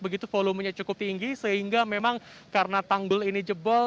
begitu volumenya cukup tinggi sehingga memang karena tanggul ini jebol